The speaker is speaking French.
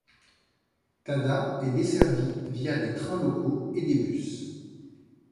Tada est desservie via des trains locaux et des bus.